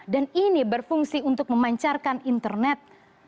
dan ini berfungsi untuk memancarkan internet